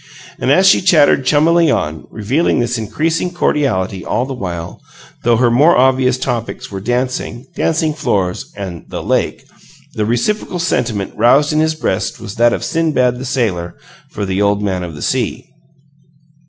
And as she chattered chummily on, revealing this increasing cordiality all the while though her more obvious topics were dancing, dancing floors, and "the lake" the reciprocal sentiment roused in his breast was that of Sindbad the Sailor for the Old Man of the Sea.